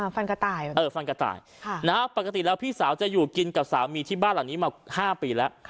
ฟันกระต่ายฟันกระต่ายปกติแล้วพี่สาวจะอยู่กินกับสามีที่บ้านหลังนี้มา๕ปีแล้ว